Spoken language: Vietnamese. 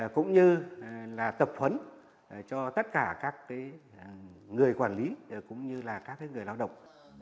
cũng như là tập huấn cho tất cả các người quản lý cũng như là các người lao động